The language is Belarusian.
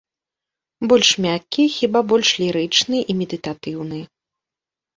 Больш мяккі, хіба больш лірычны і медытатыўны.